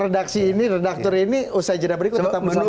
redaksi ini redaktor ini usai jeda berikut tetap bersama kami